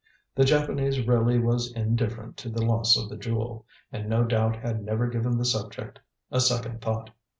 The Japanese really was indifferent to the loss of the Jewel, and no doubt had never given the subject a second thought.